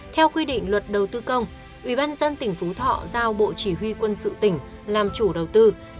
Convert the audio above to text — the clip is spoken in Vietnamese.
theo quy định luật đầu tư công ủy ban dân tỉnh phú thọ giao bộ chỉ huy quân sự tỉnh làm chủ đầu tư